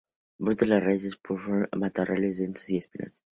Brota de sus raíces y puede formar matorrales densos y espinosos.